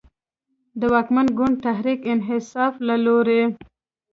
د واکمن ګوند تحریک انصاف له لورې